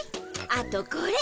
あとこれ。